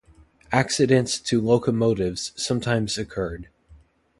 Accidents to locomotives sometimes occurred.